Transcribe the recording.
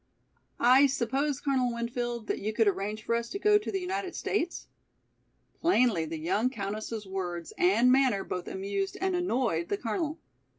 I suppose, Colonel Winfield, that you could arrange for us to go to the United States?" Plainly the young countess's words and manner both amused and annoyed the Colonel.